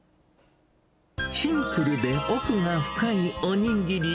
シンプルで奥が深いおにぎり。